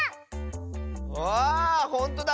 ああっほんとだ！